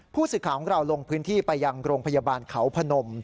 ผู้สื่อข่าวของเราลงพื้นที่ไปยังโรงพยาบาลเขาพนม